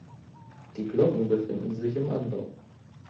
Die Glocken befinden sich im Anbau.